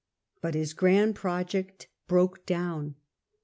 But his grand project broke down.